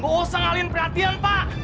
gak usah ngalihin perhatian pak